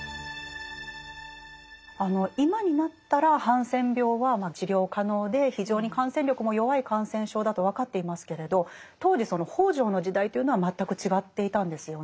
今になったらハンセン病は治療可能で非常に感染力も弱い感染症だと分かっていますけれど当時その北條の時代というのは全く違っていたんですよね。